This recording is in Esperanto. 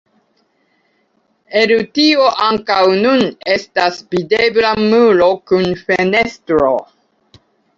El tio ankaŭ nun estas videbla muro kun fenestro.